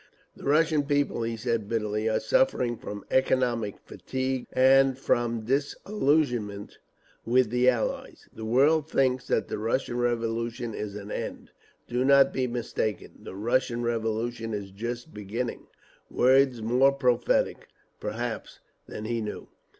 "The Russian people," he said, bitterly, "are suffering from economic fatigue—and from disillusionment with the Allies! The world thinks that the Russian Revolution is at an end. Do not be mistaken. The Russian Revolution is just beginning…." Words more prophetic, perhaps, than he knew.